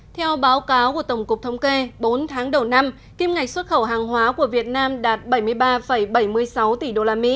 theo báo cáo của tổng cục thống kê bốn tháng đầu năm kim ngạch xuất khẩu hàng hóa của việt nam đạt bảy mươi ba bảy mươi sáu tỷ usd